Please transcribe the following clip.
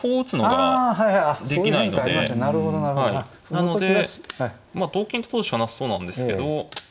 なのでまあ同金と取るしかなさそうなんですけど。